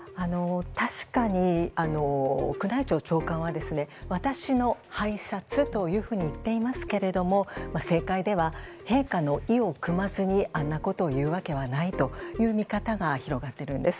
確かに宮内庁長官は私の拝察というふうに言っていますが政界では陛下の意をくまずにあんなことを言うわけはないという見方が広がっているんです。